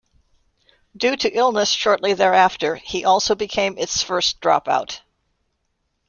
Due to illness shortly thereafter, he also became its first dropout.